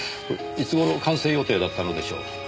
いつ頃完成予定だったのでしょう？